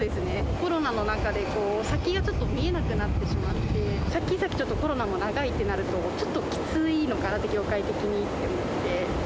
コロナの中で、先がちょっと見えなくなってしまって、先々コロナも長いってなると、ちょっときついのかなって、業界的にって思って。